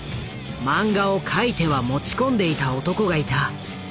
漫画を描いては持ち込んでいた男がいた。